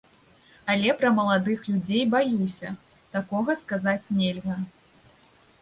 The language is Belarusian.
Але пра маладых людзей, баюся, такога сказаць нельга.